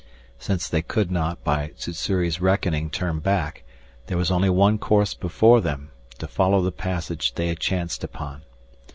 Since they could not, by Sssuri's reckoning, turn back, there was only one course before them, to follow the passage they had chanced upon.